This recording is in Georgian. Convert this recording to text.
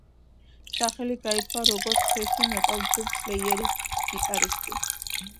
სახელი გაითქვა როგორც თრეშ მეტალ ჯგუფ სლეიერის გიტარისტი.